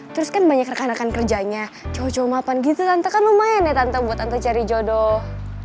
terus kan banyak rekan rekan kerjanya cowok cowok mapan gitu tante kan lumayan ya tante buat anto cari jodoh